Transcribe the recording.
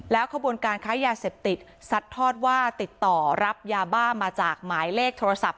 ขบวนการค้ายาเสพติดซัดทอดว่าติดต่อรับยาบ้ามาจากหมายเลขโทรศัพท์